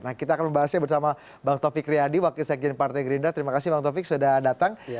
nah kita akan membahasnya bersama bang taufik riyadi wakil sekjen partai gerindra terima kasih bang taufik sudah datang